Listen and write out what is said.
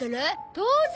当然！